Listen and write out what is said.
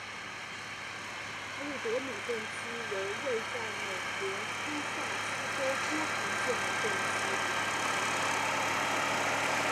弗里德姆镇区为位在美国堪萨斯州波旁县的镇区。